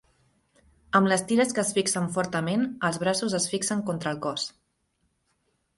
Amb les tires que es fixen fortament, els braços es fixen contra el cos.